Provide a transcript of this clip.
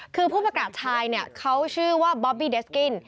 คือผู้ประกาศชายเนี่ยเขาชื่อว่าบอบบี้เดสกิ้น